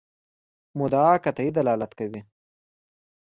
مدعا قطعي دلالت کوي.